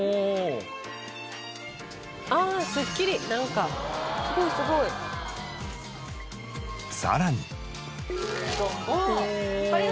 「ああすっきりなんか」「すごいすごい」さらに。